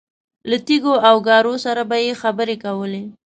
له تیږو او ګارو سره به یې خبرې کولې.